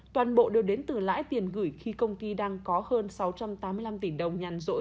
toàn bộ đều đến từ lãi tiền gửi khi công ty đang có hơn sáu trăm tám mươi năm tỷ đồng nhàn rỗi